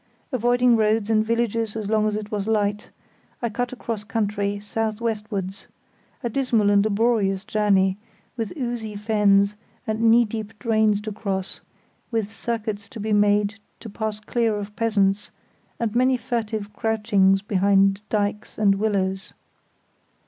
Avoiding roads and villages as long as it was light, I cut across country south westwards—a dismal and laborious journey, with oozy fens and knee deep drains to course, with circuits to be made to pass clear of peasants, and many furtive crouchings behind dykes and willows.